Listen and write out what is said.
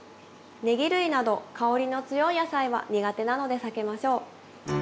ネギ類など香りの強い野菜は苦手なので避けましょう。